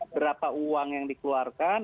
berapa uang yang dikeluarkan